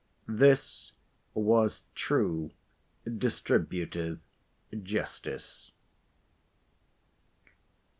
This was true distributive justice.